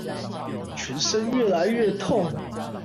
全身越來越痛